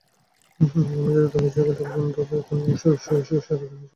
আমি যদি তোমার জায়গায় থাকতাম, তবে এখানে শুয়ে শুয়ে সারাদিন এসবই পড়তাম।